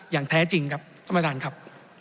อย่างแท้จริงครับต้องมาทานครับ